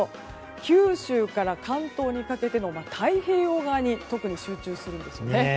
九州から関東にかけての太平洋側に特に集中するんですね。